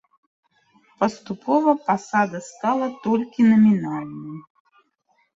Паступова пасада стала толькі намінальнай.